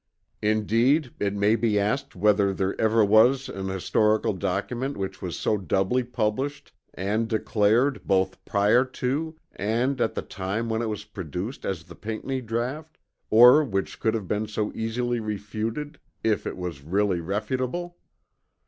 Indeed it may be asked whether there ever was an historical document which was so doubly published and declared both prior to and at the time when it was produced as the Pinckney draught; or which could have been so easily refuted, if it was really refutable?